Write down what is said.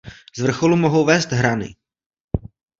Z vrcholu mohou vést hrany.